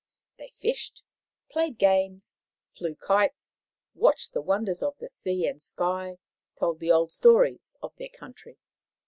They fished, played games, flew kites, watched the wonders of the sea and sky, told the old stories of their country.